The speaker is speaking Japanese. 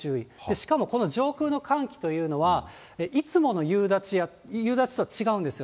しかもこの上空の寒気というのは、いつもの夕立とは違うんですよ。